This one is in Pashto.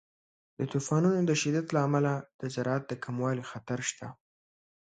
د طوفانونو د شدت له امله د زراعت د کموالي خطر شته.